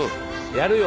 やるよ